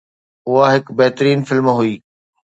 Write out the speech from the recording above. اها هڪ بهترين فلم هئي